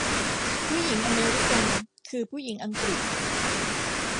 ผู้หญิงอเมริกันคือผู้หญิงอังกฤษ